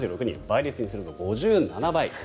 倍率にすると５７倍。